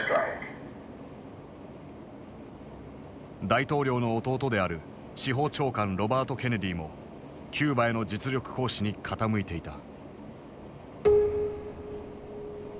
大統領の弟である司法長官ロバート・ケネディもキューバへの実力行使に傾いていた。